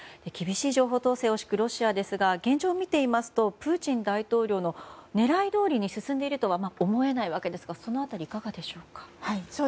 厳しい情報統制を敷くロシアですが現状を見ていますとプーチン大統領の狙いどおりに進んでいるとは思えないわけですがその辺りいかがでしょうか。